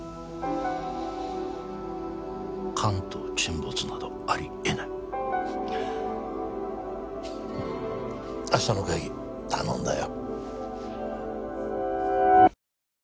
関東沈没などありえない明日の会議頼んだよ